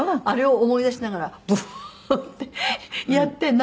あれを思い出しながらブーってやって。